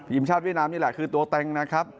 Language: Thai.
ทีมชาติเวียดนามนี่แหละคือตัวเต็งนะครับ